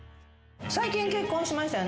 最近結婚しましたよね？